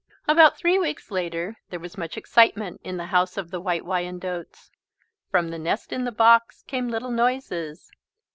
About three weeks later there was much excitement in the House of the White Wyandottes. From the nest in the box came little noises.